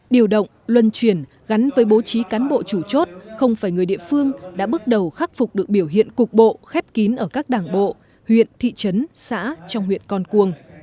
điều động luân chuyển gắn với bố trí cán bộ chủ chốt không phải người địa phương đã bước đầu khắc phục được biểu hiện cục bộ khép kín ở các đảng bộ huyện thị trấn xã trong huyện con cuồng